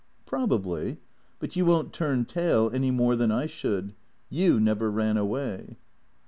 " Probably. But you won't turn tail any more than I should. You never ran away."